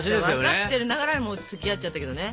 分かってながらもつきあっちゃったけどね。